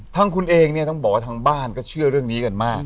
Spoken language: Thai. ทางคุณเองเนี่ยต้องบอกว่าทางบ้านก็เชื่อเรื่องนี้กันมาก